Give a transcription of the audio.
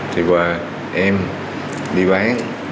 thì em đi bán